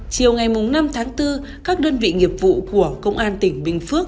chiều ngày năm tháng bốn các đơn vị nghiệp vụ của công an tỉnh bình phước